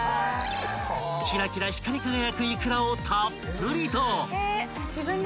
［キラキラ光り輝くいくらをたっぷりと］